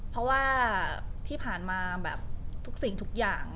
เพราะว่าที่ผ่านมาแบบทุกสิ่งทุกอย่าง